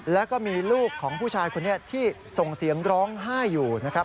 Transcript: แล้วก็มีลูกของผู้ชายคนนี้ที่ส่งเสียงร้องไห้อยู่นะครับ